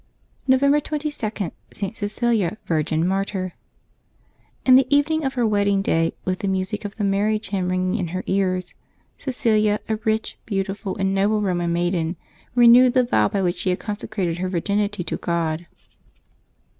November 22.— ST. CECILIA, Virgin, Martyr. XN the evening of her wedding day, with the music of the marriage hymn ringing in her ears, Cecilia, a rich, beautiful, and noble Roman maiden, renewed the vow by which she had consecrated her virginity to God.